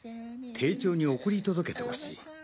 丁重に送り届けてほしい。